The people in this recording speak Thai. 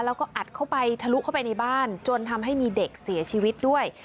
แล้วก็อัดเข้าไปทะลุเข้าไปในบ้านจนทำให้มีเด็กเสียชีวิตด้วย